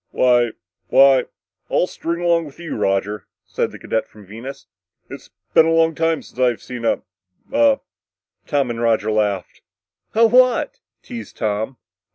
"Why ... why ... I'll string along with you, Roger," said the cadet from Venus. "It's been a long time since I've seen a a " Tom and Roger laughed. "A what?" teased Tom.